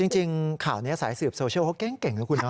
จริงข่าวนี้สายสืบโซเชียลเขาเก่งนะคุณเ